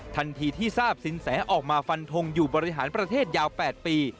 ทันทีที่ทราบสินแสออกมาฟันทงอยู่บริหารประเทศยาว๘ปี